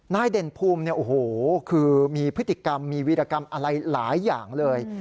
เด่นภูมิเนี่ยโอ้โหคือมีพฤติกรรมมีวีรกรรมอะไรหลายอย่างเลย